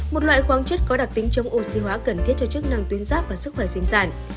một loại khoáng chất có đặc tính chống oxy hóa cần thiết cho chức năng tuyến giáp và sức khỏe sinh sản